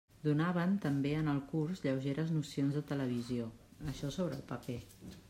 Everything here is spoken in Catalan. Donaven també en el curs lleugeres nocions de televisió, això sobre el paper.